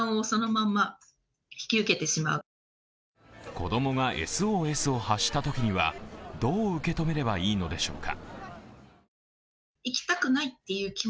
子供がＳＯＳを発したときにはどう受け止めればいいのでしょうか。